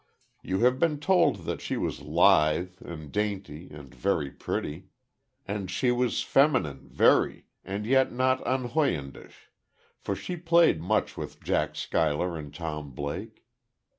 You have been told that she was lithe, and dainty and very pretty. And she was feminine, very, and yet not unhoydenish; for she played much with Jack Schuyler and Tom Blake.